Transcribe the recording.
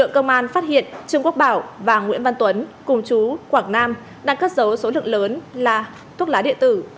công an phát hiện trương quốc bảo và nguyễn văn tuấn cùng chú quảng nam đang cất dấu số lượng lớn là thuốc lá điện tử